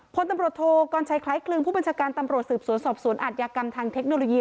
พลตำรวจโทกรชัยคล้ายคลึงผู้บัญชาการตำรวจสืบสวนสอบสวนอาทยากรรมทางเทคโนโลยี